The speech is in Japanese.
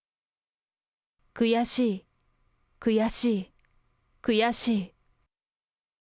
悔しい、悔しい、悔しい。